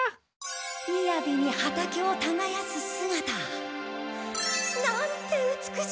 みやびに畑をたがやすすがた。なんて美しい！